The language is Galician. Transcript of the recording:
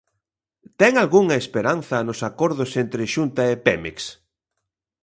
Ten algunha esperanza nos acordos entre Xunta e Pemex?